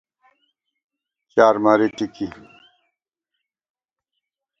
چارماری ٹِکی